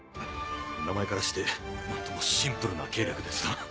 名前からして何ともシンプルな計略ですな。